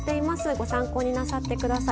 ご参考になさってください。